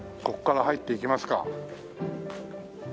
ここから入っていきますか。